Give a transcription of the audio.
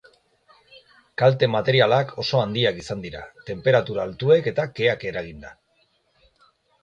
Kalte materialak oso handiak izan dira, tenperatura altuek eta keak eraginda.